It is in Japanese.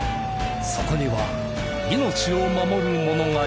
そこには命を守る者がいる。